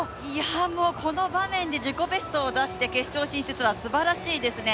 もうこの場面で自己ベストを出して、決勝進出はすばらしいですね。